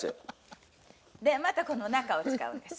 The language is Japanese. でまたこの中を使うんです。